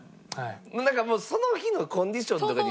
なんかその日のコンディションとかによってもね。